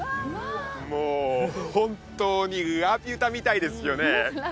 もう本当にラピュタみたいですよね